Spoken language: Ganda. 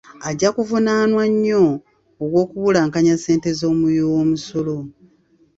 Ajja kuvunaanwa nnyo ogw'okubulankanya ssente z'omuwi w'omusolo .